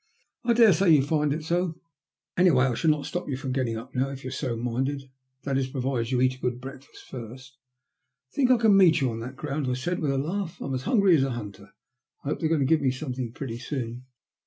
*' I daresay you find it so. Anyway, I'll not stop you from getting up now, if you're so minded ; that is'provided you eat a good breakfast first." I think I can meet you on that ground," I said with a laugh. I'm as hungry as a hunter. I hope they're going to give me something pretty soon."